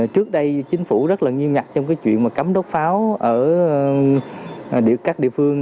trước đây chính phủ rất nghiêm ngặt trong chuyện cấm đốt pháo ở các địa phương